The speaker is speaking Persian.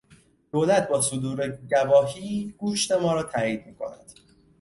دولت با صدور گواهی گوشت ما را تایید میکند.